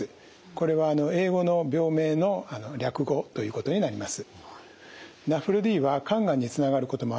これは英語の病名の略語ということになります。